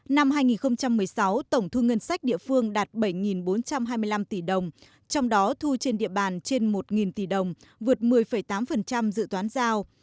năm hai nghìn một mươi sáu tổng thu ngân sách địa phương đạt bảy bốn trăm hai mươi năm tỷ đồng trong đó thu trên địa bàn trên một tỷ đồng vượt một mươi tám dự toán giao